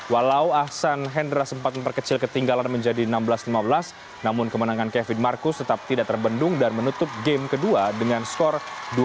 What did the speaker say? walau ahsan hendra sempat memperkecil ketinggalan menjadi enam belas lima belas namun kemenangan kevin marcus tetap tidak terbendung dan menutup game kedua dengan skor dua satu